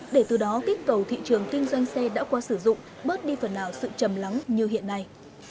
để từ đó kích cầu thị trường kinh doanh xe đã qua sử dụng bớt đi phần nào sự chầm lắng như hiện nay